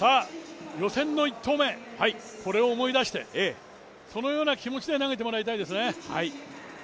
予選の１投目を思い出してそのような気持ちで投げてもらいたいですね。